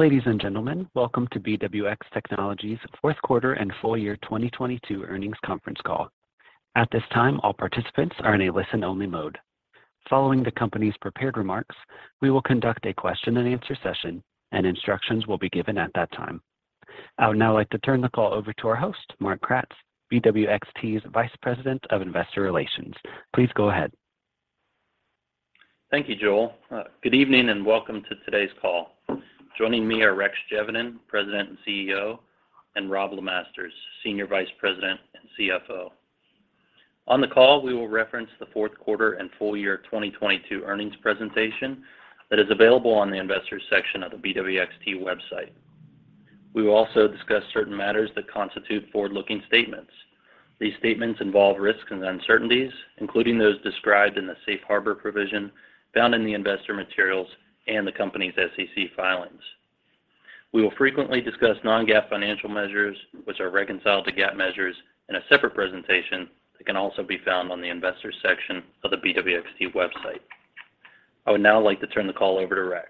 Ladies and gentlemen, welcome to BWX Technologies' fourth quarter and full year 2022 earnings conference call. At this time, all participants are in a listen-only mode. Following the company's prepared remarks, we will conduct a question and answer session, and instructions will be given at that time. I would now like to turn the call over to our host, Mark Kratz, BWXT's Vice President of Investor Relations. Please go ahead. Thank you, Joel. Good evening and welcome to today's call. Joining me are Rex Geveden, President and CEO, and Robb LeMasters, Senior Vice President and CFO. On the call, we will reference the fourth quarter and full year 2022 earnings presentation that is available on the investors section of the BWXT website. We will also discuss certain matters that constitute forward-looking statements. These statements involve risks and uncertainties, including those described in the Safe Harbor provision found in the investor materials and the company's SEC filings. We will frequently discuss non-GAAP financial measures, which are reconciled to GAAP measures in a separate presentation that can also be found on the Investors section of the BWXT website. I would now like to turn the call over to Rex.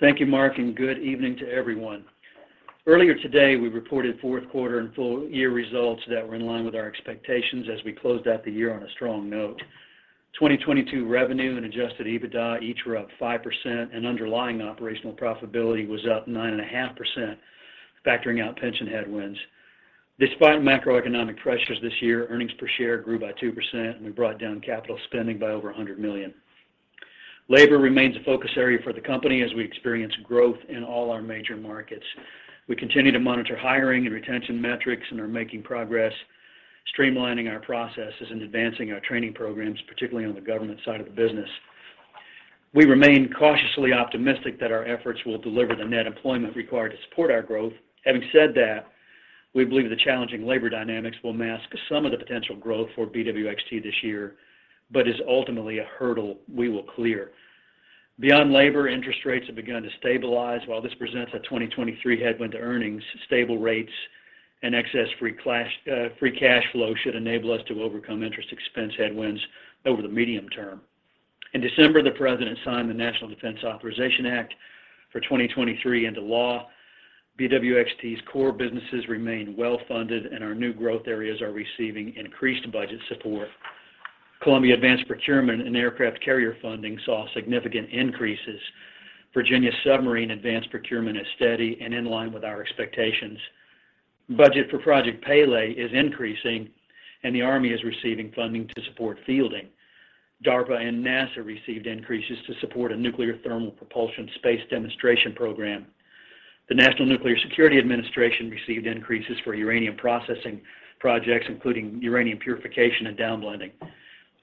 Thank you, Mark. Good evening to everyone. Earlier today, we reported fourth quarter and full year results that were in line with our expectations as we closed out the year on a strong note. 2022 revenue and adjusted EBITDA each were up 5%. Underlying operational profitability was up 9.5%, factoring out pension headwinds. Despite macroeconomic pressures this year, earnings per share grew by 2%. We brought down capital spending by over $100 million. Labor remains a focus area for the company as we experience growth in all our major markets. We continue to monitor hiring and retention metrics and are making progress streamlining our processes and advancing our training programs, particularly on the government side of the business. We remain cautiously optimistic that our efforts will deliver the net employment required to support our growth. Having said that, we believe the challenging labor dynamics will mask some of the potential growth for BWXT this year, but is ultimately a hurdle we will clear. Beyond labor, interest rates have begun to stabilize. While this presents a 2023 headwind to earnings, stable rates and excess free cash flow should enable us to overcome interest expense headwinds over the medium term. In December, the President signed the National Defense Authorization Act for 2023 into law. BWXT's Core businesses remain well-funded. Our new growth areas are receiving increased budget support. Columbia advanced procurement and aircraft carrier funding saw significant increases. Virginia submarine advanced procurement is steady and in line with our expectations. Budget for Project Pele is increasing. The Army is receiving funding to support fielding. DARPA and NASA received increases to support a nuclear thermal propulsion space demonstration program. The National Nuclear Security Administration received increases for uranium processing projects, including uranium purification and downblending.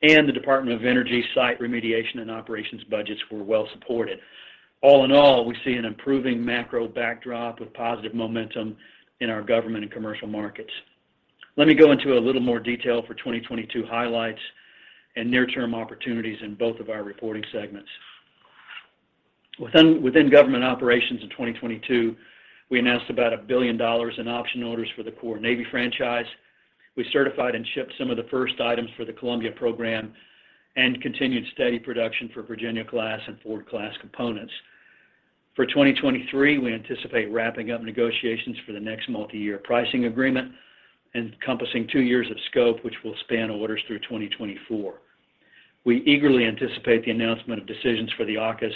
The Department of Energy site remediation and operations budgets were well supported. All in all, we see an improving macro backdrop with positive momentum in our government and commercial markets. Let me go into a little more detail for 2022 highlights and near-term opportunities in both of our reporting segments. Within government operations in 2022, we announced about $1 billion in option orders for the core Navy franchise. We certified and shipped some of the first items for the Columbia program and continued steady production for Virginia class and Ford class components. For 2023, we anticipate wrapping up negotiations for the next multi-year pricing agreement encompassing two years of scope, which will span orders through 2024. We eagerly anticipate the announcement of decisions for the AUKUS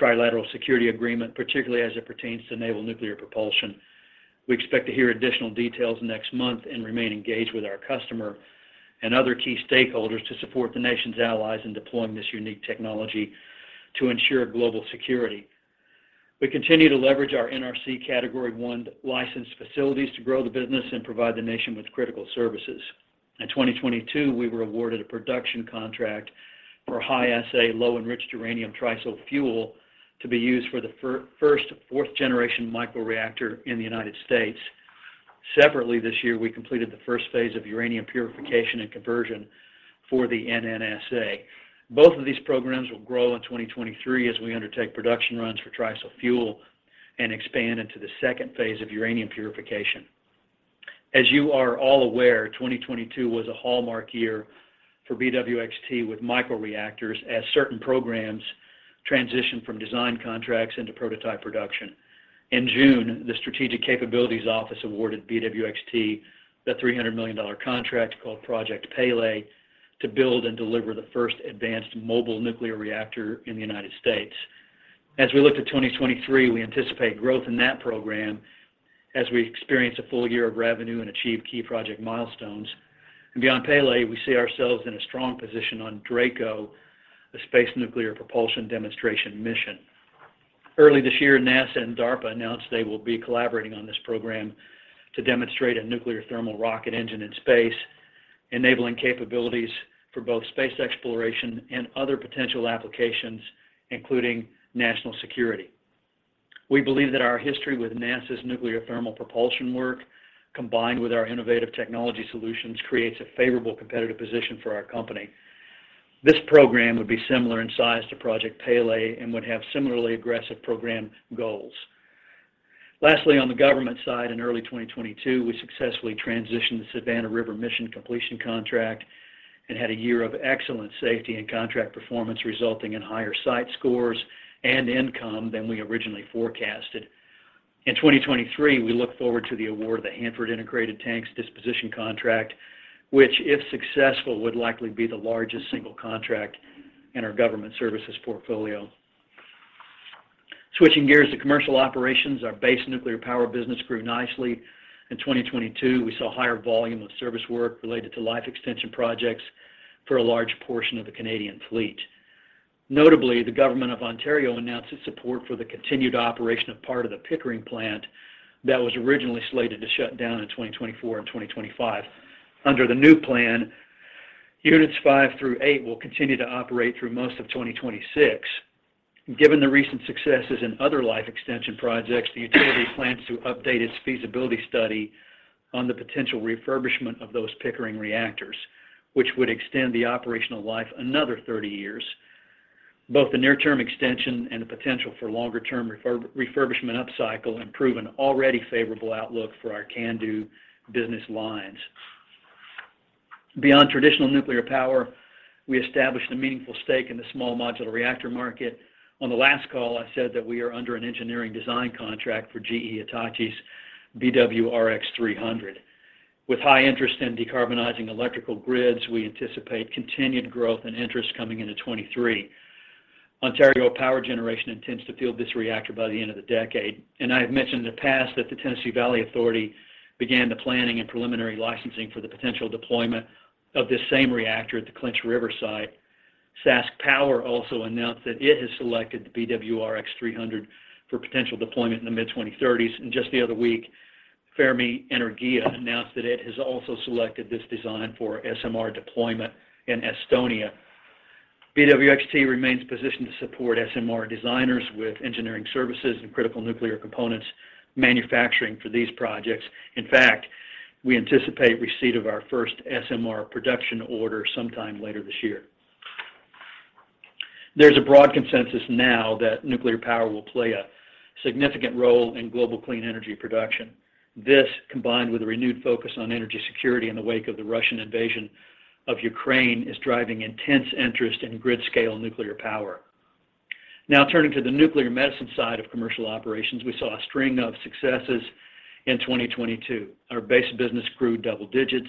trilateral security agreement, particularly as it pertains to naval nuclear propulsion. We expect to hear additional details next month and remain engaged with our customer and other key stakeholders to support the nation's allies in deploying this unique technology to ensure global security. We continue to leverage our NRC Category 1 licensed facilities to grow the business and provide the nation with critical services. In 2022, we were awarded a production contract for High-Assay Low-Enriched Uranium TRISO fuel to be used for the first fourth-generation microreactor in the United States. Separately this year, we completed the first phase of uranium purification and conversion for the NNSA. Both of these programs will grow in 2023 as we undertake production runs for TRISO fuel and expand into the second phase of uranium purification. As you are all aware, 2022 was a hallmark year for BWXT with microreactors as certain programs transitioned from design contracts into prototype production. In June, the Strategic Capabilities Office awarded BWXT the $300 million contract called Project Pele to build and deliver the first advanced mobile nuclear reactor in the United States. As we look to 2023, we anticipate growth in that program as we experience a full year of revenue and achieve key project milestones. Beyond Pele, we see ourselves in a strong position on DRACO, a space nuclear propulsion demonstration mission. Early this year, NASA and DARPA announced they will be collaborating on this program to demonstrate a nuclear thermal rocket engine in space, enabling capabilities for both space exploration and other potential applications, including national security. We believe that our history with NASA's nuclear thermal propulsion work, combined with our innovative technology solutions, creates a favorable competitive position for our company. This program would be similar in size to Project Pele and would have similarly aggressive program goals. Lastly, on the government side, in early 2022, we successfully transitioned the Savannah River mission completion contract and had a year of excellent safety and contract performance, resulting in higher site scores and income than we originally forecasted. In 2023, we look forward to the award of the Hanford Integrated Tank Disposition contract which, if successful, would likely be the largest single contract in our government services portfolio. Switching gears to commercial operations, our base nuclear power business grew nicely. In 2022, we saw higher volume of service work related to life extension projects for a large portion of the Canadian fleet. Notably, the government of Ontario announced its support for the continued operation of part of the Pickering plant that was originally slated to shut down in 2024 and 2025. Under the new plan, Units 5-8 will continue to operate through most of 2026. Given the recent successes in other life extension projects, the utility plans to update its feasibility study on the potential refurbishment of those Pickering reactors, which would extend the operational life another 30 years. Both the near-term extension and the potential for longer-term refurbishment upcycle improve an already favorable outlook for our CANDU business lines. Beyond traditional nuclear power, we established a meaningful stake in the small modular reactor market. On the last call, I said that we are under an engineering design contract for GE Hitachi's BWRX-300. With high interest in decarbonizing electrical grids, we anticipate continued growth and interest coming into 2023. Ontario Power Generation intends to field this reactor by the end of the decade. I have mentioned in the past that the Tennessee Valley Authority began the planning and preliminary licensing for the potential deployment of this same reactor at the Clinch River site. SaskPower also announced that it has selected the BWRX-300 for potential deployment in the mid-2030s. Just the other week, Fermi Energia announced that it has also selected this design for SMR deployment in Estonia. BWXT remains positioned to support SMR designers with engineering services and critical nuclear components manufacturing for these projects. In fact, we anticipate receipt of our first SMR production order sometime later this year. There's a broad consensus now that nuclear power will play a significant role in global clean energy production. This, combined with a renewed focus on energy security in the wake of the Russian invasion of Ukraine, is driving intense interest in grid-scale nuclear power. Turning to the nuclear medicine side of commercial operations. We saw a string of successes in 2022. Our base business grew double digits,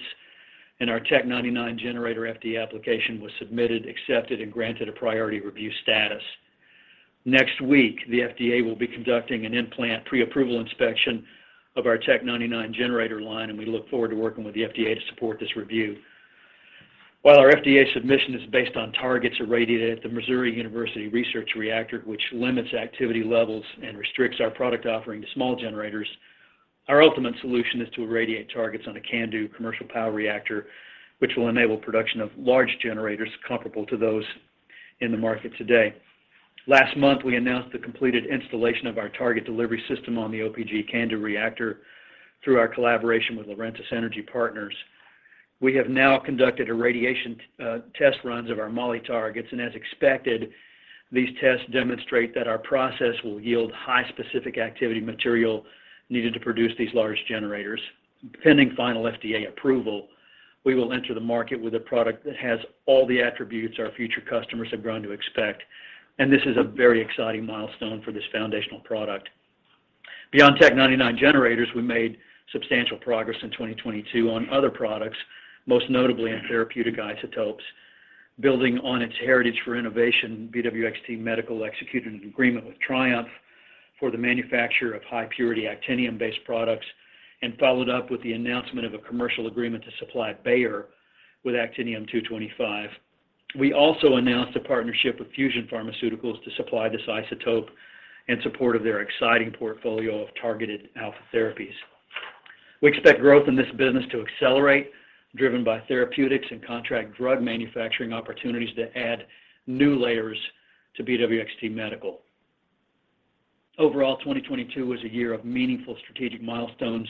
and our Tc-99m generator FDA application was submitted, accepted, and granted a priority review status. Next week, the FDA will be conducting an implant pre-approval inspection of our Tc-99m generator line, and we look forward to working with the FDA to support this review. While our FDA submission is based on targets irradiated at the Missouri University Research Reactor, which limits activity levels and restricts our product offering to small generators, our ultimate solution is to irradiate targets on a CANDU commercial power reactor, which will enable production of large generators comparable to those in the market today. Last month, we announced the completed installation of our target delivery system on the OPG CANDU reactor through our collaboration with Laurentis Energy Partners. We have now conducted irradiation test runs of our moly targets. As expected, these tests demonstrate that our process will yield high specific activity material needed to produce these large generators. Pending final FDA approval, we will enter the market with a product that has all the attributes our future customers have grown to expect. This is a very exciting milestone for this foundational product. Beyond Tc-99m generators, we made substantial progress in 2022 on other products, most notably in therapeutic isotopes. Building on its heritage for innovation, BWXT Medical executed an agreement with TRIUMF for the manufacture of high-purity actinium-based products and followed up with the announcement of a commercial agreement to supply Bayer with actinium-225. We also announced a partnership with Fusion Pharmaceuticals to supply this isotope in support of their exciting portfolio of targeted alpha therapies. We expect growth in this business to accelerate, driven by therapeutics and contract drug manufacturing opportunities that add new layers to BWXT Medical. 2022 was a year of meaningful strategic milestones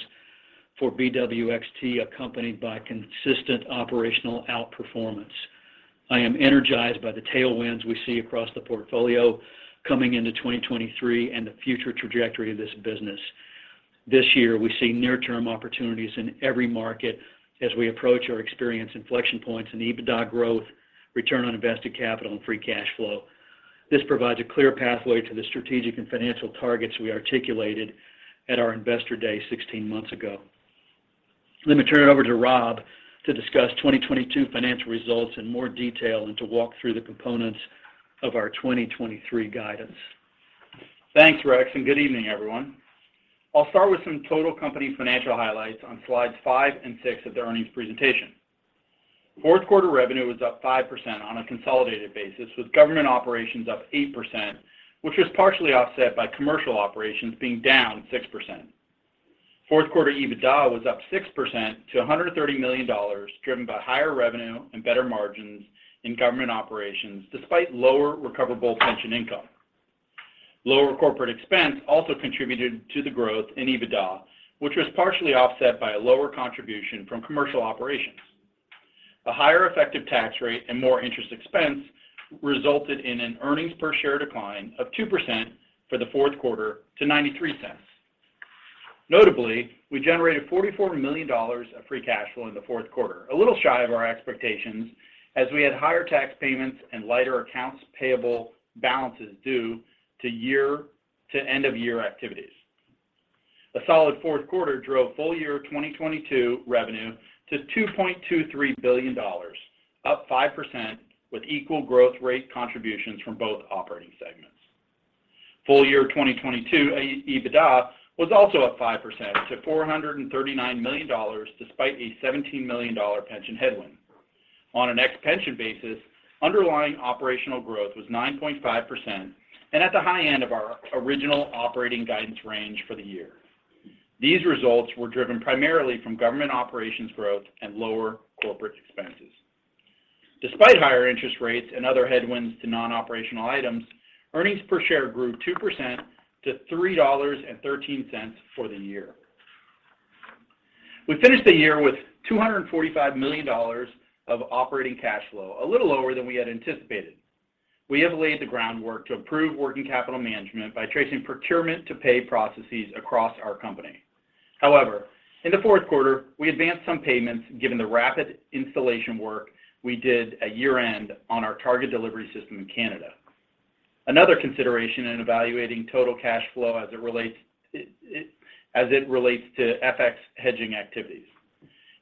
for BWXT, accompanied by consistent operational outperformance. I am energized by the tailwinds we see across the portfolio coming into 2023 and the future trajectory of this business. This year, we see near-term opportunities in every market as we approach our experience inflection points in EBITDA growth, return on invested capital, and free cash flow. This provides a clear pathway to the strategic and financial targets we articulated at our Investor Day 16 months ago. Let me turn it over to Robb to discuss 2022 financial results in more detail and to walk through the components of our 2023 guidance. Thanks, Rex. Good evening, everyone. I'll start with some total company financial highlights on slides 5 and 6 of the earnings presentation. Fourth quarter revenue was up 5% on a consolidated basis, with government operations up 8%, which was partially offset by commercial operations being down 6%. Fourth quarter EBITDA was up 6% to $130 million, driven by higher revenue and better margins in government operations despite lower recoverable pension income. Lower corporate expense also contributed to the growth in EBITDA, which was partially offset by a lower contribution from commercial operations. The higher effective tax rate and more interest expense resulted in an earnings per share decline of 2% for the fourth quarter to $0.93. Notably, we generated $44 million of free cash flow in the fourth quarter, a little shy of our expectations as we had higher tax payments and lighter accounts payable balances due to year-end activities. A solid fourth quarter drove full year 2022 revenue to $2.23 billion, up 5% with equal growth rate contributions from both operating segments. Full year 2022 EBITDA was also up 5% to $439 million despite a $17 million pension headwind. On an ex-pension basis, underlying operational growth was 9.5% and at the high end of our original operating guidance range for the year. These results were driven primarily from government operations growth and lower corporate expenses. Despite higher interest rates and other headwinds to non-operational items, earnings per share grew 2% to $3.13 for the year. We finished the year with $245 million of operating cash flow, a little lower than we had anticipated. We have laid the groundwork to improve working capital management by tracing procurement to pay processes across our company. In the fourth quarter, we advanced some payments given the rapid installation work we did at year-end on our target delivery system in Canada. Another consideration in evaluating total cash flow as it relates to FX hedging activities.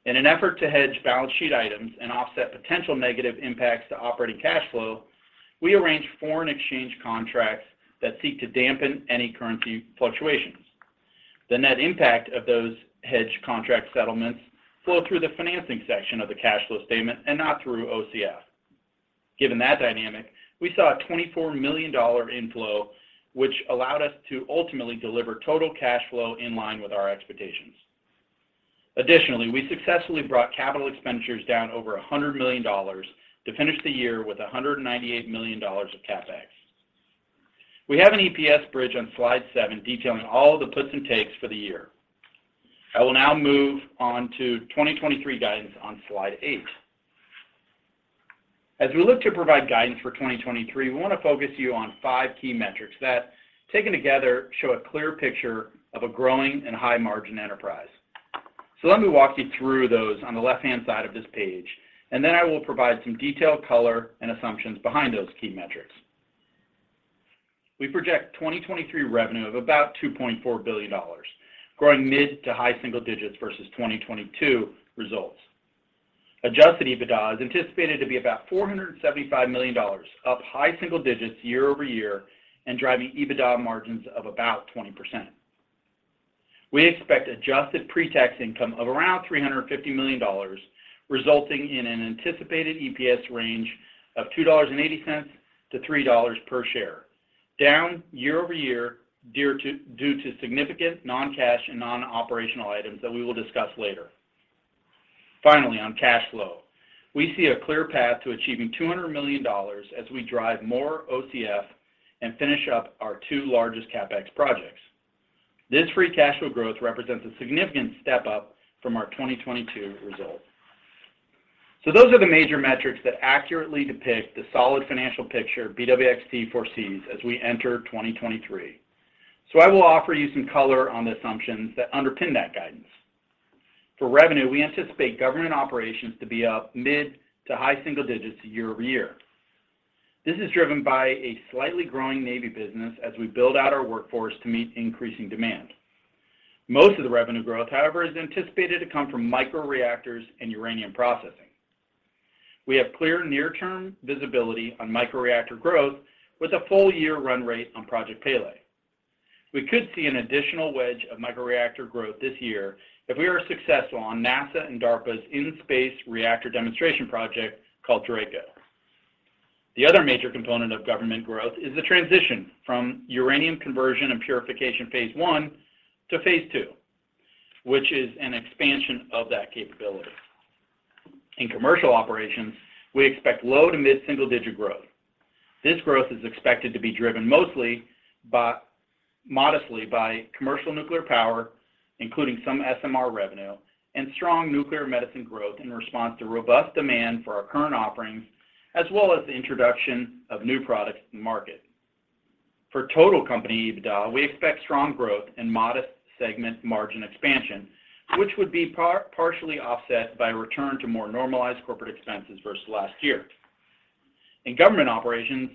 In an effort to hedge balance sheet items and offset potential negative impacts to operating cash flow, we arrange foreign exchange contracts that seek to dampen any currency fluctuations. The net impact of those hedge contract settlements flow through the financing section of the cash flow statement and not through OCF. Given that dynamic, we saw a $24 million inflow, which allowed us to ultimately deliver total cash flow in line with our expectations. Additionally, we successfully brought capital expenditures down over $100 million to finish the year with $198 million of CapEx. We have an EPS bridge on slide 7 detailing all the puts and takes for the year. I will now move on to 2023 guidance on slide 8. As we look to provide guidance for 2023, we wanna focus you on five key metrics that, taken together, show a clear picture of a growing and high margin enterprise. Let me walk you through those on the left-hand side of this page, and then I will provide some detailed color and assumptions behind those key metrics. We project 2023 revenue of about $2.4 billion, growing mid to high single digits versus 2022 results. Adjusted EBITDA is anticipated to be about $475 million, up high single digits year-over-year and driving EBITDA margins of about 20%. We expect adjusted pre-tax income of around $350 million, resulting in an anticipated EPS range of $2.80-$3.00 per share, down year-over-year due to significant non-cash and non-operational items that we will discuss later. Finally, on cash flow, we see a clear path to achieving $200 million as we drive more OCF and finish up our two largest CapEx projects. This free cash flow growth represents a significant step up from our 2022 result. Those are the major metrics that accurately depict the solid financial picture BWXT foresees as we enter 2023. I will offer you some color on the assumptions that underpin that guidance. For revenue, we anticipate government operations to be up mid-to-high single digits year-over-year. This is driven by a slightly growing Navy business as we build out our workforce to meet increasing demand. Most of the revenue growth, however, is anticipated to come from microreactors and uranium processing. We have clear near-term visibility on microreactor growth with a full year run rate on Project Pele. We could see an additional wedge of microreactor growth this year if we are successful on NASA and DARPA's in-space reactor demonstration project called DRACO. The other major component of government growth is the transition from uranium conversion and purification phase I to phase II, which is an expansion of that capability. In commercial operations, we expect low to mid single-digit growth. This growth is expected to be driven mostly by modestly by commercial nuclear power, including some SMR revenue and strong nuclear medicine growth in response to robust demand for our current offerings, as well as the introduction of new products to the market. For total company EBITDA, we expect strong growth and modest segment margin expansion, which would be partially offset by a return to more normalized corporate expenses versus last year. In government operations,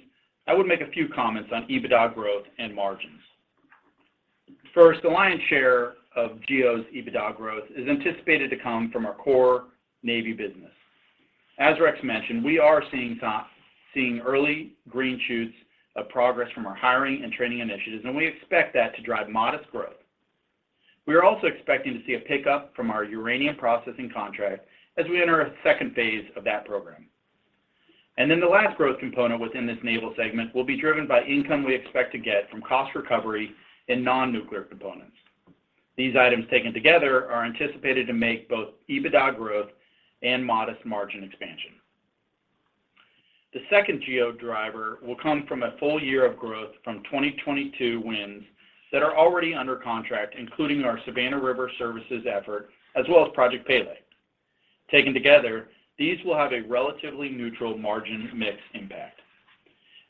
I would make a few comments on EBITDA growth and margins. First, the lion's share of GO's EBITDA growth is anticipated to come from our core Navy business. As Rex mentioned, we are seeing early green shoots of progress from our hiring and training initiatives, and we expect that to drive modest growth. We are also expecting to see a pickup from our uranium processing contract as we enter a second phase of that program. The last growth component within this naval segment will be driven by income we expect to get from cost recovery and non-nuclear components. These items taken together are anticipated to make both EBITDA growth and modest margin expansion. The second GO driver will come from a full year of growth from 2022 wins that are already under contract, including our Savannah River Services effort, as well as Project Pele. Taken together, these will have a relatively neutral margin mix impact.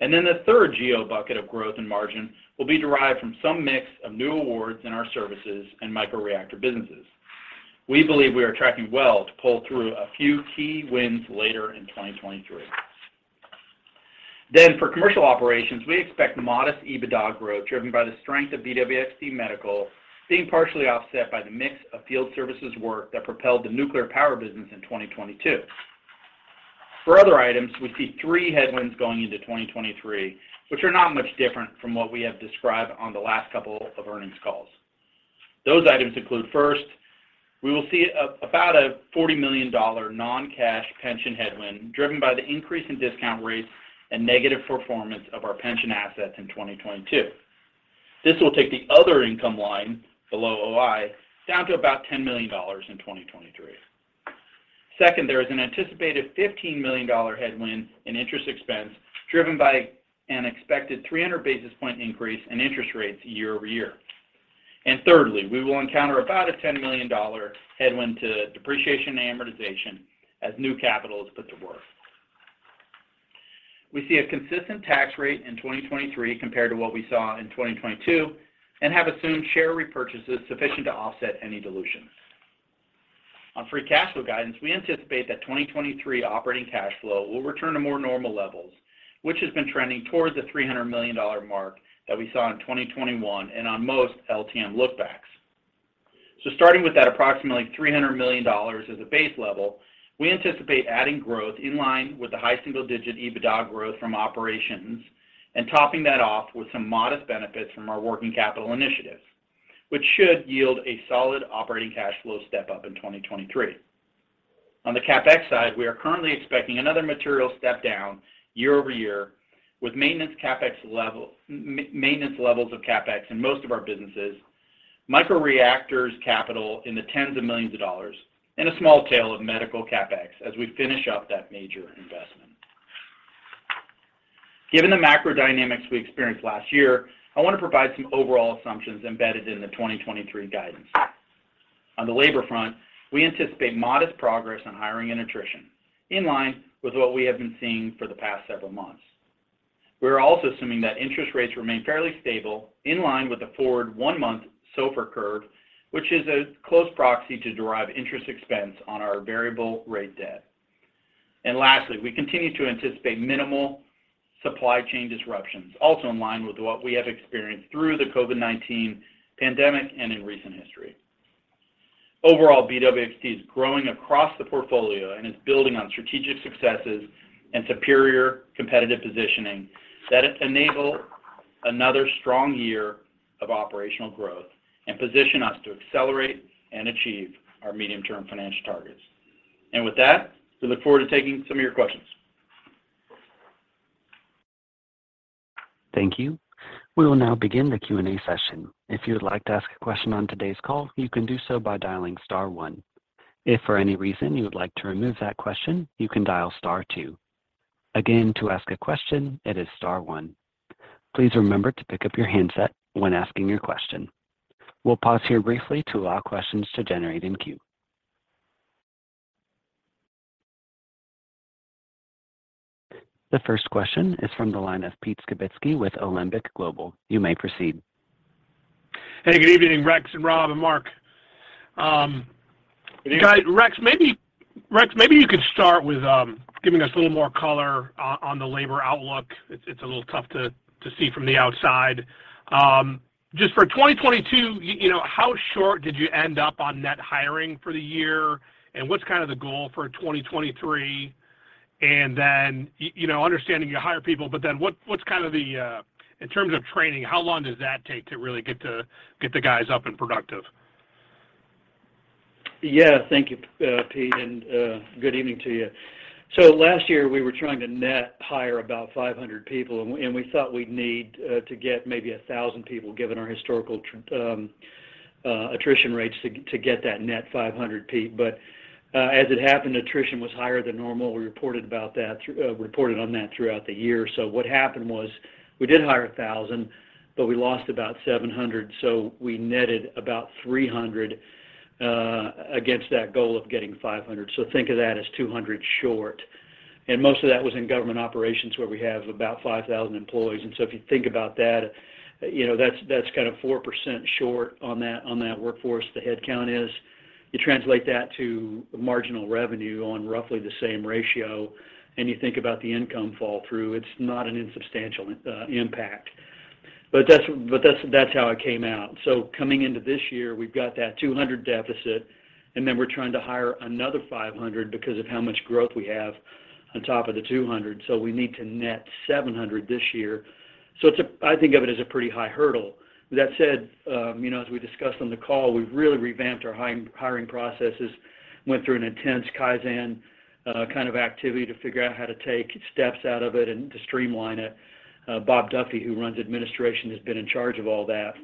Then the third geo bucket of growth and margin will be derived from some mix of new awards in our services and microreactor businesses. We believe we are tracking well to pull through a few key wins later in 2023. Then for commercial operations, we expect modest EBITDA growth driven by the strength of BWXT Medical being partially offset by the mix of field services work that propelled the nuclear power business in 2022. For other items, we see three headwinds going into 2023, which are not much different from what we have described on the last couple of earnings calls. Those items include, first, we will see about a $40 million non-cash pension headwind driven by the increase in discount rates and negative performance of our pension assets in 2022. This will take the other income line below OI down to about $10 million in 2023. Second, there is an anticipated $15 million headwind in interest expense driven by an expected 300 basis point increase in interest rates year-over-year. Thirdly, we will encounter about a $10 million headwind to depreciation and amortization as new capital is put to work. We see a consistent tax rate in 2023 compared to what we saw in 2022 and have assumed share repurchases sufficient to offset any dilution. On free cash flow guidance, we anticipate that 2023 operating cash flow will return to more normal levels, which has been trending towards the $300 million mark that we saw in 2021 and on most LTM look backs. Starting with that approximately $300 million as a base level, we anticipate adding growth in line with the high single-digit EBITDA growth from operations and topping that off with some modest benefits from our working capital initiatives, which should yield a solid operating cash flow step-up in 2023. On the CapEx side, we are currently expecting another material step down year-over-year with maintenance CapEx level maintenance levels of CapEx in most of our businesses, microreactors capital in the tens of millions of dollars, and a small tail of medical CapEx as we finish up that major investment. Given the macro dynamics we experienced last year, I want to provide some overall assumptions embedded in the 2023 guidance. On the labor front, we anticipate modest progress on hiring and attrition in line with what we have been seeing for the past several months. We are also assuming that interest rates remain fairly stable in line with the forward one-month SOFR curve, which is a close proxy to derive interest expense on our variable rate debt. Lastly, we continue to anticipate minimal supply chain disruptions also in line with what we have experienced through the COVID-19 pandemic and in recent history. Overall, BWXT is growing across the portfolio and is building on strategic successes and superior competitive positioning that enable another strong year of operational growth and position us to accelerate and achieve our medium-term financial targets. With that, we look forward to taking some of your questions. Thank you. We will now begin the Q&A session. If you would like to ask a question on today's call, you can do so by dialing star one. If for any reason you would like to remove that question, you can dial star two. Again, to ask a question, it is star one. Please remember to pick up your handset when asking your question. We'll pause here briefly to allow questions to generate in queue. The first question is from the line of Pete Skibitski with Alembic Global. You may proceed. Hey, good evening, Rex and Robb and Mark. Rex, maybe you could start with giving us a little more color on the labor outlook. It's a little tough to see from the outside. Just for 2022, you know, how short did you end up on net hiring for the year, and what's kind of the goal for 2023? You know, understanding you hire people, but then what's kind of the in terms of training, how long does that take to really get the guys up and productive? Yeah. Thank you, Pete, good evening to you. Last year, we were trying to net hire about 500 people, and we thought we'd need to get maybe 1,000 people, given our historical attrition rates to get that net 500, Pete. As it happened, attrition was higher than normal. We reported on that throughout the year. What happened was we did hire 1,000, but we lost about 700, so we netted about 300 against that goal of getting 500. Think of that as 200 short. Most of that was in government operations, where we have about 5,000 employees. If you think about that, you know, that's kind of 4% short on that, on that workforce, the head count is. You translate that to marginal revenue on roughly the same ratio, and you think about the income fall through, it's not an insubstantial impact. That's how it came out. Coming into this year, we've got that 200 deficit, and then we're trying to hire another 500 because of how much growth we have on top of the 200. We need to net 700 this year. I think of it as a pretty high hurdle. That said, you know, as we discussed on the call, we've really revamped our hiring processes, went through an intense Kaizen kind of activity to figure out how to take steps out of it and to streamline it. Bob Duffy, who runs administration, has been in charge of all that.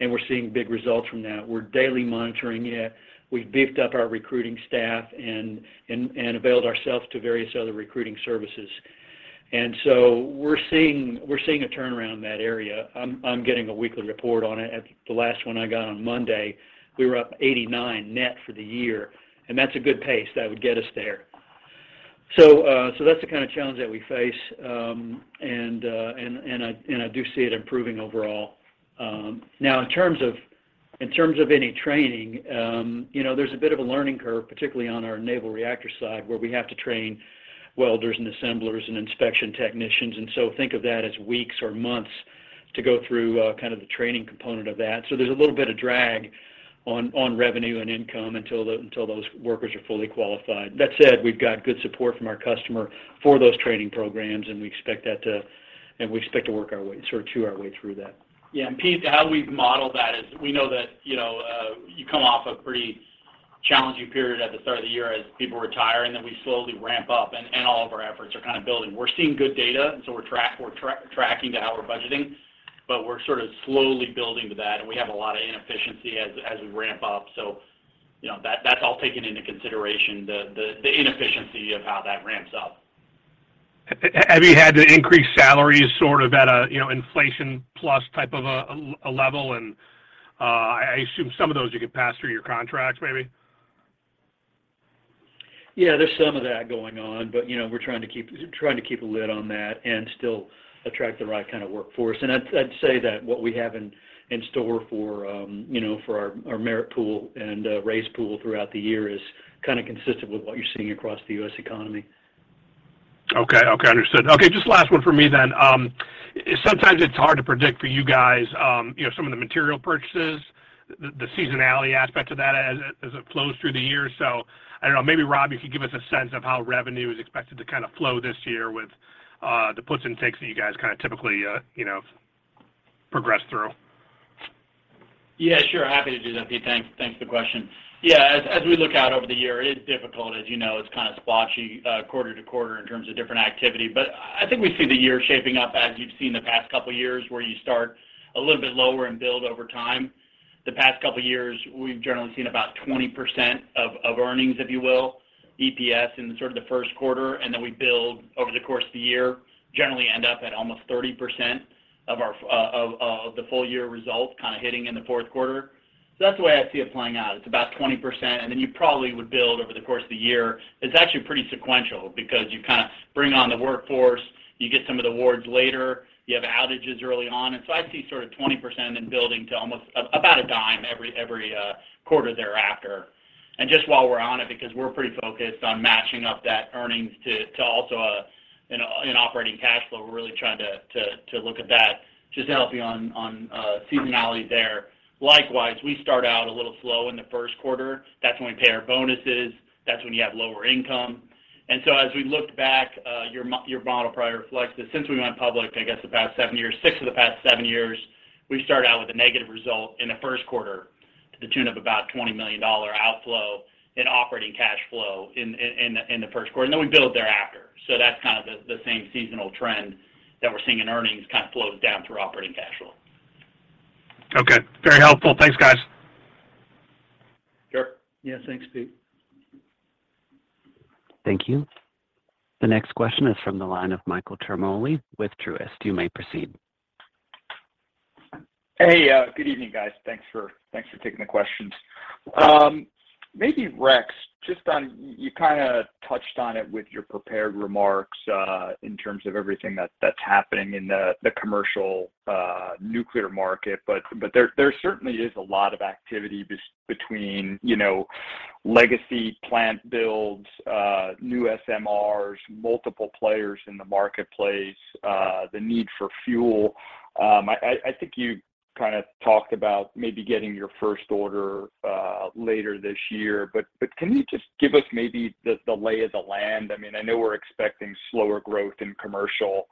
We're seeing big results from that. We're daily monitoring it. We've beefed up our recruiting staff and availed ourselves to various other recruiting services. We're seeing a turnaround in that area. I'm getting a weekly report on it. At the last one I got on Monday, we were up 89 net for the year, and that's a good pace. That would get us there. That's the kind of challenge that we face, and I do see it improving overall. Now in terms of any training, you know, there's a bit of a learning curve, particularly on our naval reactor side, where we have to train welders and assemblers and inspection technicians. Think of that as weeks or months to go through, kind of the training component of that. There's a little bit of drag on revenue and income until those workers are fully qualified. That said, we've got good support from our customer for those training programs, and we expect to work our way, sort of chew our way through that. Yeah. Pete, how we've modeled that is we know that, you know, you come off a pretty challenging period at the start of the year as people retire, then we slowly ramp up, and all of our efforts are kind of building. We're seeing good data, so we're tracking to how we're budgeting, but we're sort of slowly building to that, and we have a lot of inefficiency as we ramp up. You know, that's all taken into consideration, the inefficiency of how that ramps up. Have you had to increase salaries sort of at a, you know, inflation plus type of a level? I assume some of those you could pass through your contracts maybe. Yeah, there's some of that going on. You know, we're trying to keep a lid on that and still attract the right kind of workforce. I'd say that what we have in store for, you know, for our merit pool and raise pool throughout the year is kind of consistent with what you're seeing across the U.S. economy. Okay. Okay. Understood. Just last one from me then. Sometimes it's hard to predict for you guys, you know, some of the material purchases, the seasonality aspect of that as it flows through the year. I don't know, maybe Robb, you could give us a sense of how revenue is expected to kind of flow this year with the puts and takes that you guys kind of typically, you know, progress through. Yeah, sure. Happy to do that, Pete. Thanks. Thanks for the question. As we look out over the year, it is difficult. As you know, it's kind of splotchy, quarter to quarter in terms of different activity. I think we see the year shaping up as you've seen the past couple of years, where you start a little bit lower and build over time. The past couple of years, we've generally seen about 20% of earnings, if you will, EPS in sort of the first quarter. We build over the course of the year, generally end up at almost 30% of our of the full year results kind of hitting in the fourth quarter. That's the way I see it playing out. It's about 20%. You probably would build over the course of the year. It's actually pretty sequential because you kind of bring on the workforce, you get some of the awards later, you have outages early on. I see sort of 20% then building to almost about $0.10 every quarter thereafter. Just while we're on it, because we're pretty focused on matching up that earnings to also an operating cash flow, we're really trying to look at that just to help you on seasonality there. Likewise, we start out a little slow in the first quarter. That's when we pay our bonuses. That's when you have lower income. As we looked back, your model probably reflects this. Since we went public, I guess the past seven years, six of the past seven years, we started out with a negative result in the first quarter to the tune of about $20 million outflow in operating cash flow in the first quarter, and then we build thereafter. That's kind of the same seasonal trend that we're seeing in earnings, kind of flows down through operating cash flow. Okay. Very helpful. Thanks, guys. Sure. Yeah. Thanks, Pete. Thank you. The next question is from the line of Michael Ciarmoli with Truist. You may proceed. Hey. Good evening, guys. Thanks for taking the questions. Maybe Rex, You kind of touched on it with your prepared remarks, in terms of everything that's happening in the commercial, nuclear market, but there certainly is a lot of activity between, you know, legacy plant builds, new SMRs, multiple players in the marketplace, the need for fuel. I think you kind of talked about maybe getting your first order, later this year, but can you just give us maybe the lay of the land? I mean, I know we're expecting slower growth in commercial,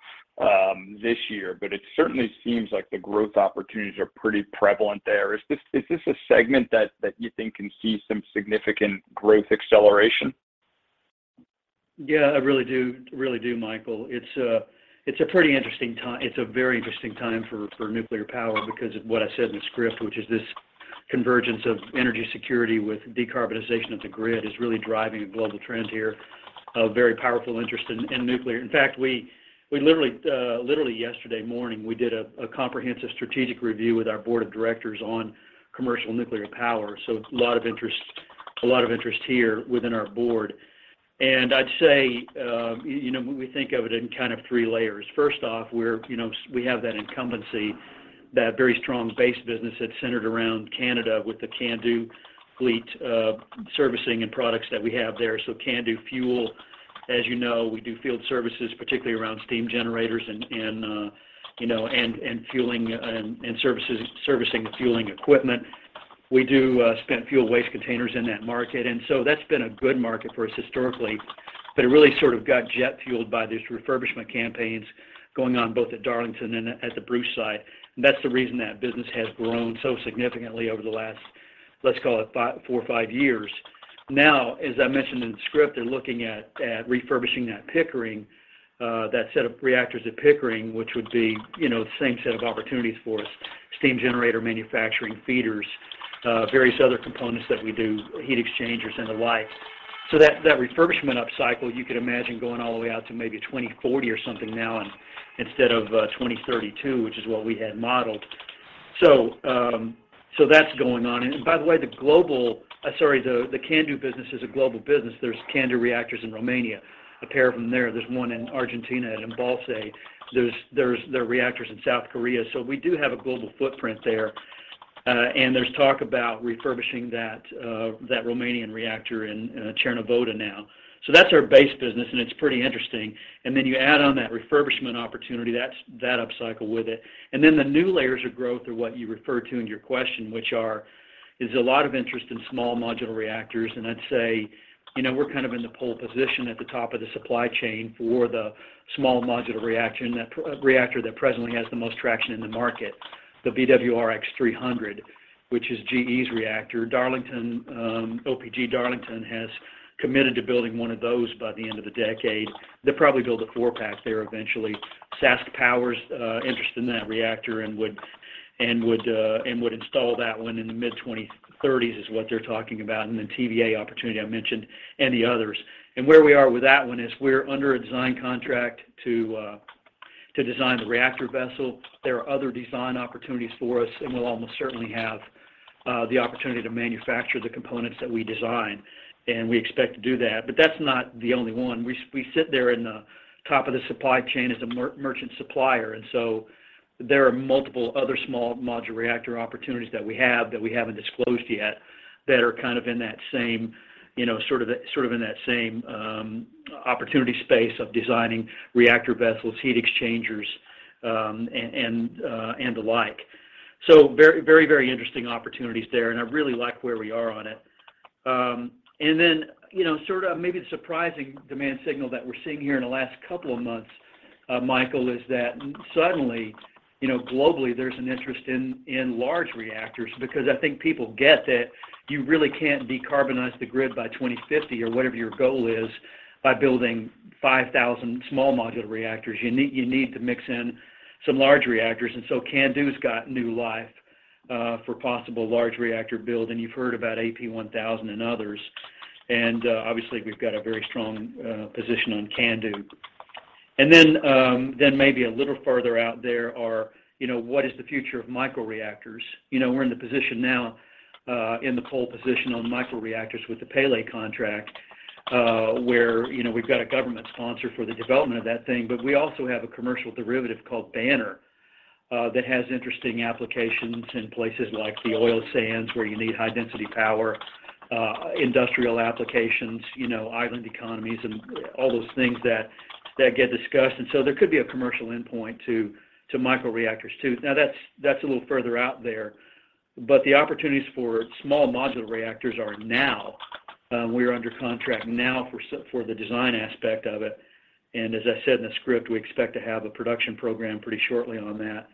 this year, but it certainly seems like the growth opportunities are pretty prevalent there. Is this a segment that you think can see some significant growth acceleration? Yeah, I really do, Michael. It's a very interesting time for nuclear power because of what I said in the script, which is this convergence of energy security with decarbonization of the grid is really driving a global trend here of very powerful interest in nuclear. In fact, we literally yesterday morning, we did a comprehensive strategic review with our board of directors on commercial nuclear power, so a lot of interest here within our board. I'd say, you know, we think of it in kind of three layers. First off, you know, we have that incumbency, that very strong base business that's centered around Canada with the CANDU fleet, servicing and products that we have there. CANDU fuel, as you know, we do field services, particularly around steam generators and, you know, fueling and servicing the fueling equipment. We do spent fuel waste containers in that market. That's been a good market for us historically, but it really sort of got jet fueled by these refurbishment campaigns going on both at Darlington and at the Bruce site. That's the reason that business has grown so significantly over the last, let's call it four or five years. As I mentioned in the script, they're looking at refurbishing that Pickering, that set of reactors at Pickering, which would be, you know, the same set of opportunities for us, steam generator manufacturing feeders, various other components that we do, heat exchangers and the like. That refurbishment upcycle, you could imagine going all the way out to maybe 2040 or something now instead of 2032, which is what we had modeled. That's going on. By the way, the CANDU business is a global business. There's CANDU reactors in Romania, a pair of them there. There's one in Argentina at Embalse. There are reactors in South Korea. We do have a global footprint there, and there's talk about refurbishing that Romanian reactor in Cernavoda now. That's our base business, and it's pretty interesting. You add on that refurbishment opportunity, that's that upcycle with it. The new layers of growth are what you refer to in your question, which is a lot of interest in small modular reactors. I'd say, you know, we're kind of in the pole position at the top of the supply chain for the small modular reactor, that reactor that presently has the most traction in the market, the BWRX-300, which is GE's reactor. Darlington, OPG Darlington has committed to building one of those by the end of the decade. They'll probably build a four-pack there eventually. SaskPower's interest in that reactor and would install that one in the mid-2030s is what they're talking about, and the TVA opportunity I mentioned, and the others. Where we are with that one is we're under a design contract to design the reactor vessel. There are other design opportunities for us, and we'll almost certainly have the opportunity to manufacture the components that we design, and we expect to do that. That's not the only one. We sit there in the top of the supply chain as a merchant supplier. There are multiple other small modular reactor opportunities that we have that we haven't disclosed yet that are kind of in that same, you know, sort of in that same opportunity space of designing reactor vessels, heat exchangers, and the like. Very, very, very interesting opportunities there. I really like where we are on it. You know, sort of maybe the surprising demand signal that we're seeing here in the last couple of months, Michael, is that suddenly, you know, globally, there's an interest in large reactors because I think people get that you really can't decarbonize the grid by 2050 or whatever your goal is by building 5,000 small modular reactors. You need to mix in some large reactors. CANDU's got new life for possible large reactor build, and you've heard about AP1000 and others. Obviously, we've got a very strong position on CANDU. Maybe a little further out there are, you know, what is the future of microreactors? You know, we're in the position now, in the pole position on microreactors with the Pele contract, where, you know, we've got a government sponsor for the development of that thing, but we also have a commercial derivative called BANR, that has interesting applications in places like the oil sands where you need high-density power, industrial applications, you know, island economies and all those things that get discussed. There could be a commercial endpoint to microreactors too. Now that's a little further out there, but the opportunities for small modular reactors are now. We're under contract now for the design aspect of it. And as I said in the script, we expect to have a production program pretty shortly on that.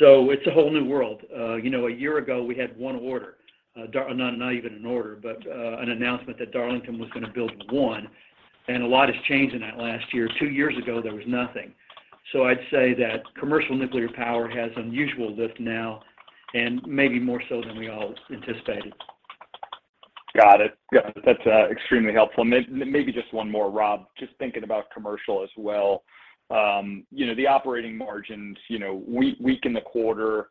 It's a whole new world. You know, a year ago we had one order. Not even an order, but an announcement that Darlington was gonna build one, and a lot has changed in that last year. Two years ago, there was nothing. I'd say that commercial nuclear power has unusual lift now and maybe more so than we all anticipated. Got it. Yeah, that's extremely helpful. Maybe just one more, Robb. Just thinking about commercial as well. You know, the operating margins, you know, weak in the quarter.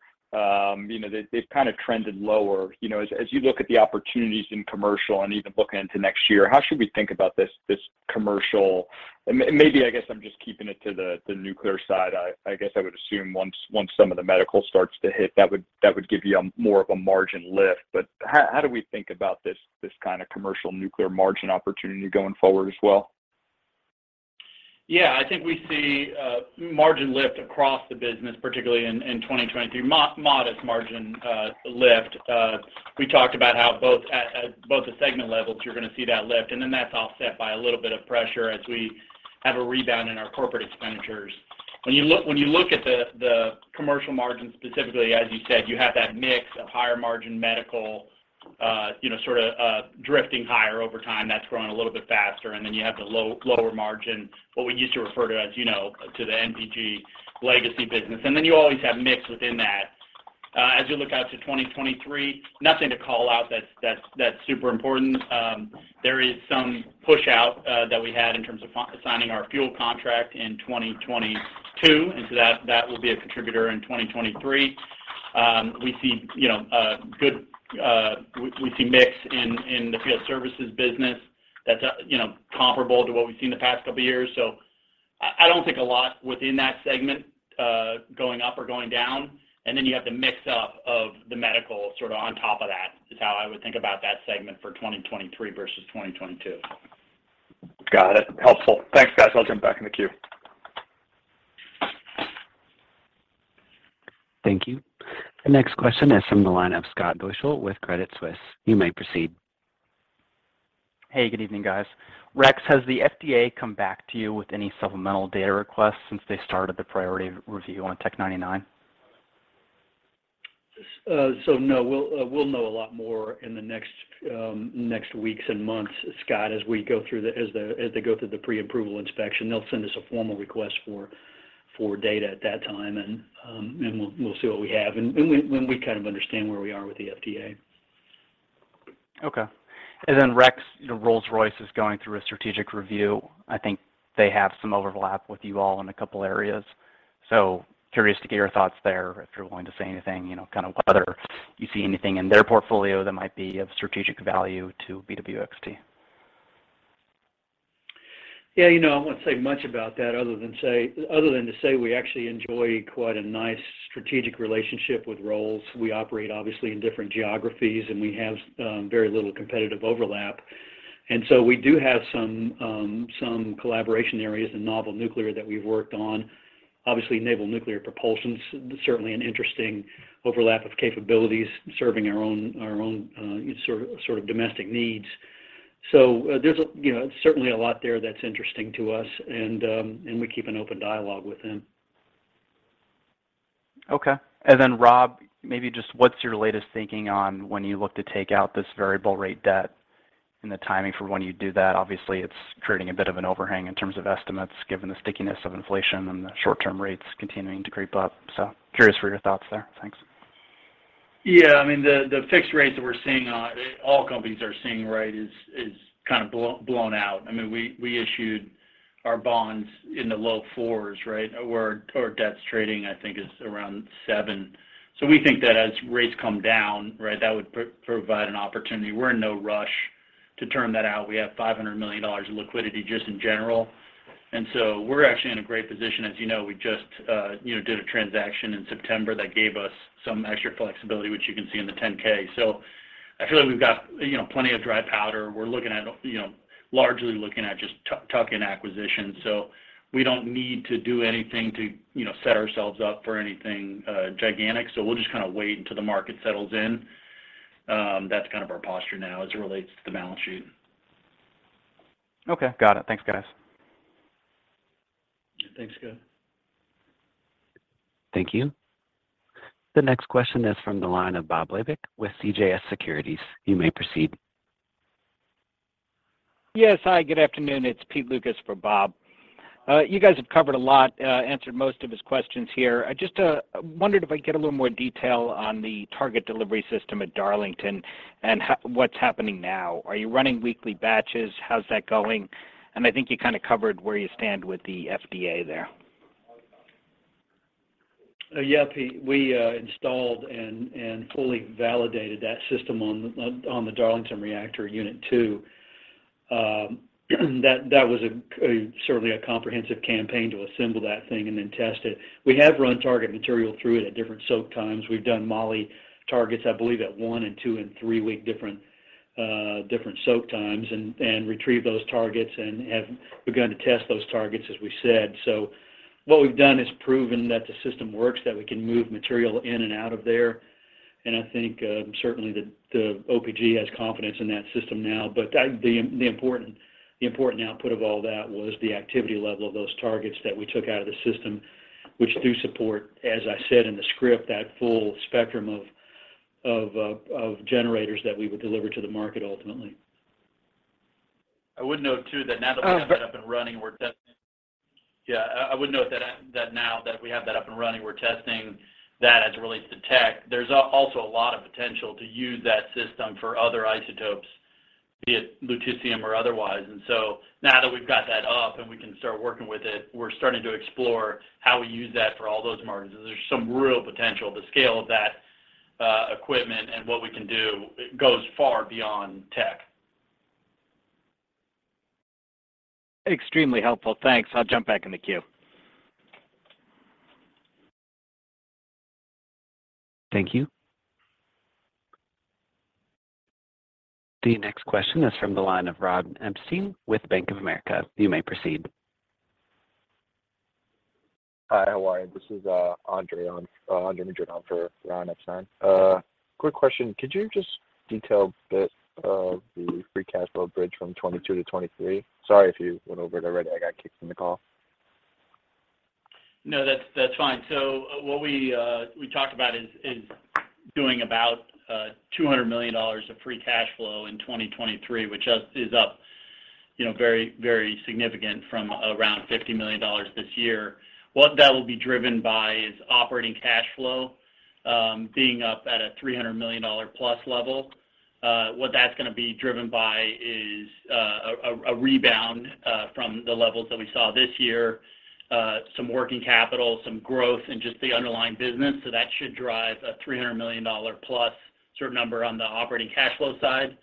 You know, they've kind of trended lower. You know, as you look at the opportunities in commercial and even looking into next year, how should we think about this commercial? Maybe I guess I'm just keeping it to the nuclear side. I guess I would assume once some of the medical starts to hit, that would give you a more of a margin lift. How do we think about this kind of commercial nuclear margin opportunity going forward as well? Yeah. I think we see margin lift across the business, particularly in 2023. Modest margin lift. We talked about how both at both the segment levels, you're gonna see that lift. That's offset by a little bit of pressure as we have a rebound in our corporate expenditures. When you look at the commercial margins specifically, as you said, you have that mix of higher margin medical, you know, sort of drifting higher over time. That's growing a little bit faster. You have the lower margin, what we used to refer to as, you know, to the MPG legacy business. You always have mix within that. As you look out to 2023, nothing to call out that's super important. There is some push out that we had in terms of signing our fuel contract in 2022, that will be a contributor in 2023. We see, you know, good, we see mix in the field services business that's, you know, comparable to what we've seen the past couple of years. I don't think a lot within that segment going up or going down. You have the mix up of the medical sort of on top of that is how I would think about that segment for 2023 versus 2022. Got it. Helpful. Thanks, guys. I'll jump back in the queue. Thank you. The next question is from the line of Scott Deuschle with Credit Suisse. You may proceed. Hey, good evening, guys. Rex, has the FDA come back to you with any supplemental data requests since they started the priority review on Tc-99m? No. We'll know a lot more in the next weeks and months, Scott, as we go through as they go through the pre-approval inspection. They'll send us a formal request for data at that time, and we'll see what we have and when we kind of understand where we are with the FDA. Okay. Rex, you know, Rolls-Royce is going through a strategic review. I think they have some overlap with you all in a couple areas. Curious to get your thoughts there, if you're willing to say anything, you know, kind of whether you see anything in their portfolio that might be of strategic value to BWXT. Yeah. You know, I won't say much about that other than to say we actually enjoy quite a nice strategic relationship with Rolls. We operate obviously in different geographies, we have very little competitive overlap. We do have some collaboration areas in novel nuclear that we've worked on. Obviously, naval nuclear propulsion's certainly an interesting overlap of capabilities serving our own domestic needs. There's a, you know, certainly a lot there that's interesting to us and we keep an open dialogue with them. Okay. Then Robb, maybe just what's your latest thinking on when you look to take out this variable rate debt and the timing for when you do that? Obviously, it's creating a bit of an overhang in terms of estimates given the stickiness of inflation and the short-term rates continuing to creep up. Curious for your thoughts there. Thanks. I mean, the fixed rates that we're seeing, all companies are seeing, right, is kind of blown out. I mean, we issued our bonds in the low 4s, right? Our debt's trading I think is around 7. We think that as rates come down, right, that would provide an opportunity. We're in no rush to turn that out. We have $500 million in liquidity just in general. We're actually in a great position. As you know, we just, you know, did a transaction in September that gave us some extra flexibility, which you can see in the 10-K. I feel like we've got, you know, plenty of dry powder. We're looking at, you know, largely looking at just tucking acquisitions, we don't need to do anything to, you know, set ourselves up for anything gigantic. We'll just kind of wait until the market settles in. That's kind of our posture now as it relates to the balance sheet. Okay. Got it. Thanks, guys. Thanks, Scott. Thank you. The next question is from the line of Bob Labick with CJS Securities. You may proceed. Yes. Hi, good afternoon. It's Pete Lukas for Bob. You guys have covered a lot, answered most of his questions here. I just wondered if I could get a little more detail on the target delivery system at Darlington and what's happening now. Are you running weekly batches? How's that going? I think you kind of covered where you stand with the FDA there. Yeah. Pete, we installed and fully validated that system on the Darlington reactor Unit 2. That was certainly a comprehensive campaign to assemble that thing and then test it. We have run target material through it at different soak times. We've done moly targets, I believe, at one and two and three-week different soak times and retrieved those targets and have begun to test those targets, as we said. What we've done is proven that the system works, that we can move material in and out of there. I think certainly the OPG has confidence in that system now. The important output of all that was the activity level of those targets that we took out of the system, which do support, as I said in the script, that full spectrum of generators that we would deliver to the market ultimately. I would note that now that we have that up and running, we're testing that as it relates to tech. There's also a lot of potential to use that system for other isotopes, be it lutetium or otherwise. Now that we've got that up and we can start working with it, we're starting to explore how we use that for all those margins. There's some real potential. The scale of that equipment and what we can do goes far beyond tech. Extremely helpful. Thanks. I'll jump back in the queue. Thank you. The next question is from the line of Ron Epstein with Bank of America. You may proceed. Hi. How are you? This is Andre on for Ron Epstein. Quick question. Could you just detail a bit of the free cash flow bridge from 2022 to 2023? Sorry if you went over it already. I got kicked from the call. No, that's fine. What we talked about is doing about $200 million of free cash flow in 2023, which is up, you know, very, very significant from around $50 million this year. What that will be driven by is operating cash flow, being up at a $300 million plus level. What that's gonna be driven by is a rebound from the levels that we saw this year, some working capital, some growth in just the underlying business. That should drive a $300 million plus sort of number on the operating cash flow side.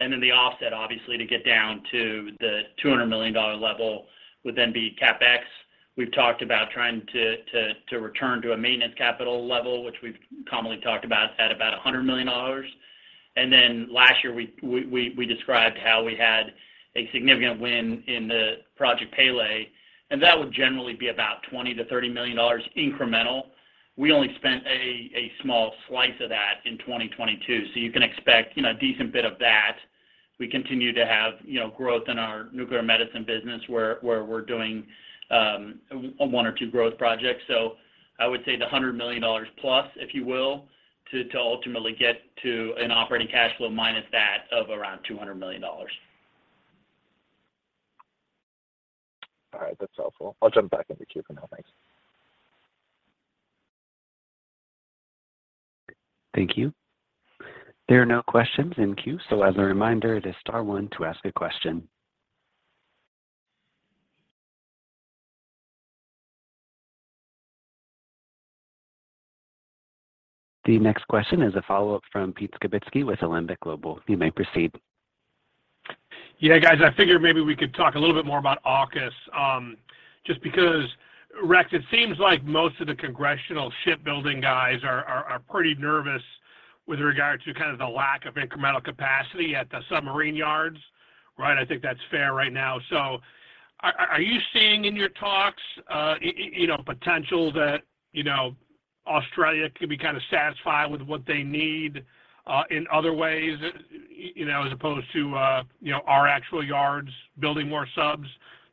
The offset, obviously, to get down to the $200 million level would then be CapEx. We've talked about trying to return to a maintenance capital level, which we've commonly talked about at about $100 million. Last year we described how we had a significant win in the Project Pele, and that would generally be about $20 million-$30 million incremental. We only spent a small slice of that in 2022, so you can expect, you know, a decent bit of that. We continue to have, you know, growth in our nuclear medicine business where we're doing one or two growth projects. I would say the $100 million plus, if you will, to ultimately get to an operating cash flow minus that of around $200 million. All right, that's helpful. I'll jump back in the queue for now. Thanks. Thank you. There are no questions in queue. As a reminder, it is star one to ask a question. The next question is a follow-up from Pete Skibitski with Alembic Global. You may proceed. Yeah, guys, I figured maybe we could talk a little bit more about AUKUS, just because, Rex, it seems like most of the congressional shipbuilding guys are pretty nervous with regard to kind of the lack of incremental capacity at the submarine yards, right? I think that's fair right now. Are you seeing in your talks, you know, potential that, you know, Australia could be kind of satisfied with what they need, in other ways, you know, as opposed to, you know, our actual yards building more subs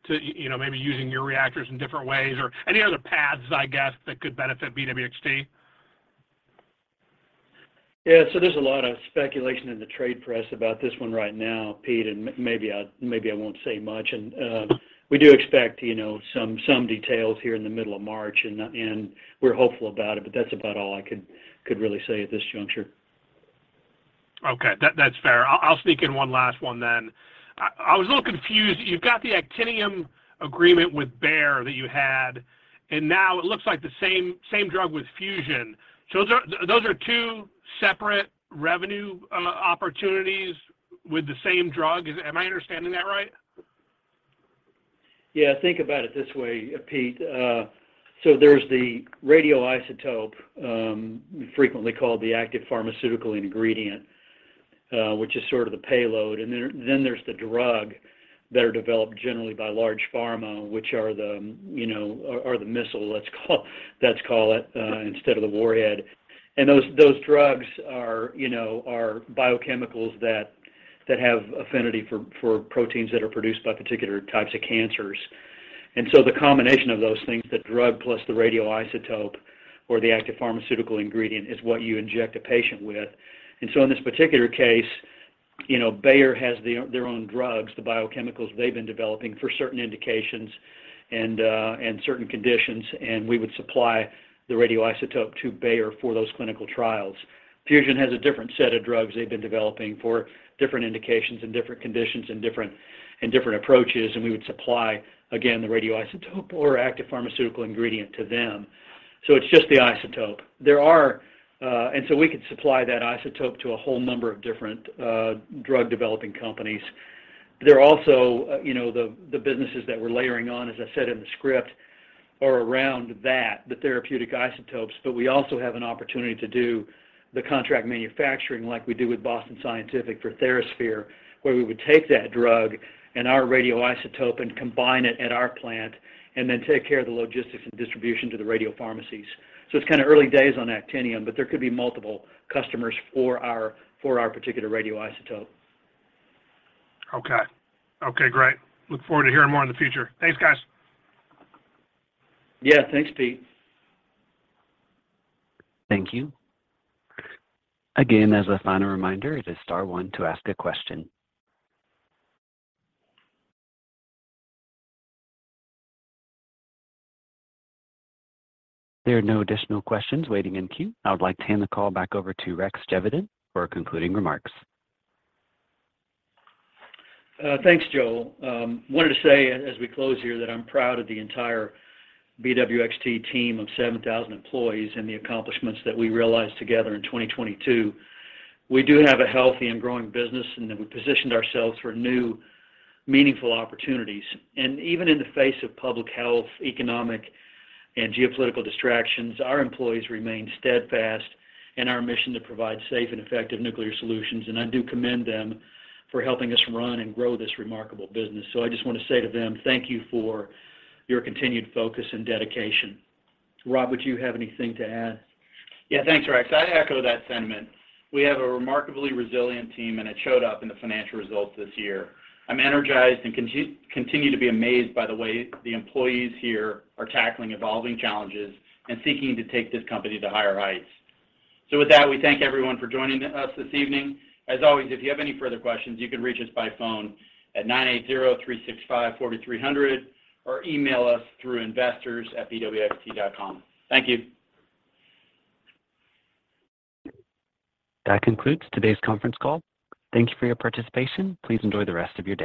to, you know, maybe using your reactors in different ways or any other paths, I guess, that could benefit BWXT? Yeah. There's a lot of speculation in the trade press about this one right now, Pete, and maybe I won't say much. We do expect, you know, some details here in the middle of March, and we're hopeful about it, but that's about all I could really say at this juncture. Okay. That's fair. I'll sneak in one last one then. I was a little confused. You've got the actinium agreement with Bayer that you had, and now it looks like the same drug with Fusion. Those are two separate revenue opportunities with the same drug. Am I understanding that right? Yeah. Think about it this way, Pete. There's the radioisotope, frequently called the active pharmaceutical ingredient, which is sort of the payload. Then there's the drug that are developed generally by large pharma, which are, you know, are the missile, let's call it, instead of the warhead. And those drugs are, you know, are biochemicals that have affinity for proteins that are produced by particular types of cancers. So the combination of those things, the drug plus the radioisotope or the active pharmaceutical ingredient, is what you inject a patient with. So in this particular case, you know, Bayer has their own drugs, the biochemicals they've been developing for certain indications and certain conditions, and we would supply the radioisotope to Bayer for those clinical trials. Fusion has a different set of drugs they've been developing for different indications and different conditions and different, and different approaches, and we would supply, again, the radioisotope or active pharmaceutical ingredient to them. It's just the isotope. We could supply that isotope to a whole number of different drug developing companies. There are also, you know, the businesses that we're layering on, as I said in the script, are around that, the therapeutic isotopes, but we also have an opportunity to do the contract manufacturing like we do with Boston Scientific for TheraSphere, where we would take that drug and our radioisotope and combine it at our plant and then take care of the logistics and distribution to the radiopharmacies. It's kind of early days on actinium, but there could be multiple customers for our particular radioisotope. Okay. Okay, great. Look forward to hearing more in the future. Thanks, guys. Yeah. Thanks, Pete. Thank you. Again, as a final reminder, it is star one to ask a question. There are no additional questions waiting in queue. I would like to hand the call back over to Rex Geveden for concluding remarks. Thanks, Joel. wanted to say as we close here that I'm proud of the entire BWXT team of 7,000 employees and the accomplishments that we realized together in 2022. We do have a healthy and growing business, and then we positioned ourselves for new meaningful opportunities. Even in the face of public health, economic, and geopolitical distractions, our employees remain steadfast in our mission to provide safe and effective nuclear solutions, and I do commend them for helping us run and grow this remarkable business. I just wanna say to them, thank you for your continued focus and dedication. Robb, would you have anything to add? Yeah. Thanks, Rex. I echo that sentiment. We have a remarkably resilient team, and it showed up in the financial results this year. I'm energized and continue to be amazed by the way the employees here are tackling evolving challenges and seeking to take this company to higher heights. With that, we thank everyone for joining us this evening. As always, if you have any further questions, you can reach us by phone at 980-365-4300, or email us through investors@bwxt.com. Thank you. That concludes today's conference call. Thank you for your participation. Please enjoy the rest of your day.